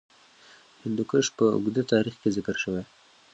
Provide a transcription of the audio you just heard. هندوکش په اوږده تاریخ کې ذکر شوی.